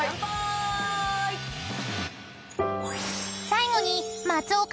［最後に］